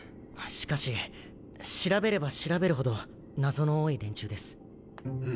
しかし調べれば調べるほど謎の多い連中です。